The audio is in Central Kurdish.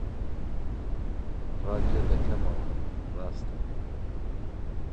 ڕادیۆ دەکەمەوە، ڕاستە